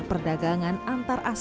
perdagangan dan perusahaan